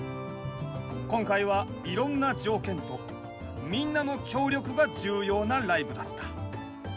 今回はいろんな条件とみんなの協力が重要なライブだった。